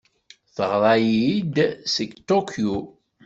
Teɣra-iyi-d seg Tokyo.